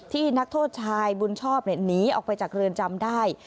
นักโทษชายบุญชอบหนีออกไปจากเรือนจำได้